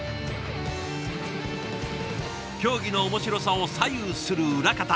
競技の面白さを左右する裏方